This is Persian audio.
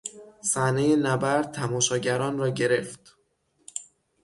صحنهی نبرد تماشاگران را گرفت.